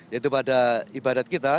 yaitu pada ibadat kita